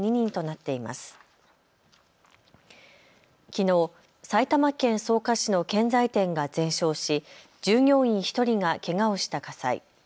きのう、埼玉県草加市の建材店が全焼し従業員１人がけがをした火災。